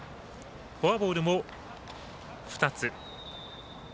フォアボールも２つ。